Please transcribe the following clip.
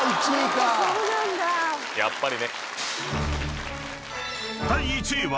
やっぱり。